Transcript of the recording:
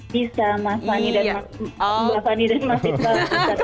bisa mbak fani dan mas vita